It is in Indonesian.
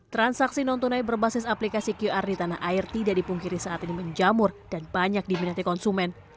transaksi non tunai berbasis aplikasi qr di tanah air tidak dipungkiri saat ini menjamur dan banyak diminati konsumen